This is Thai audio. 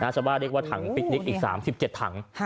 จะว่าเล็กว่าถังปิ๊กนิกอีก๓๗ถัง